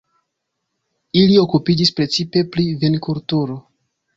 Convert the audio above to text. Ili okupiĝis precipe pri vinkulturo.